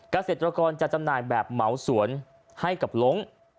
เกษตรกรจะจำหน่ายแบบเหมาสวนให้กับหลง